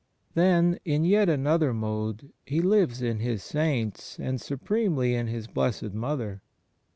Then, in yet another mode He lives in His Saints and supremely in His Blessed Mother.